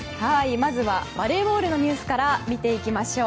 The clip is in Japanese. まずはバレーボールのニュースから見ていきましょう。